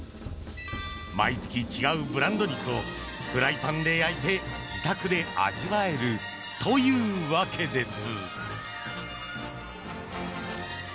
毎月違うブランド肉をフライパンで焼いて自宅で味わえるというわけです。